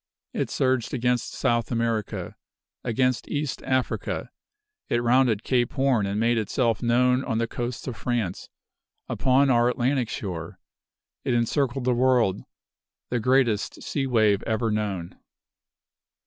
It surged against South America; against East Africa; it rounded Cape Horn and made itself known on the coasts of France, upon our Atlantic shore. It encircled the world the greatest sea wave ever known.